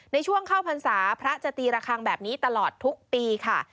ในช่วงเข้าพรรษาพระจะตีระคังแบบนี้ตลอดทุกปีค่ะ